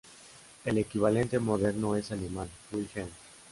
El equivalente moderno es alemán "Wilhelm".